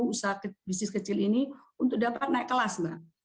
usaha bisnis kecil ini untuk dapat naik kelas mbak